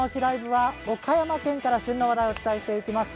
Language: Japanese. ＬＩＶＥ」は岡山県から旬の話題をお伝えします。